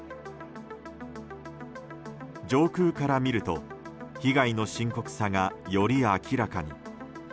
上空から見ると被害の深刻さがより明らかに。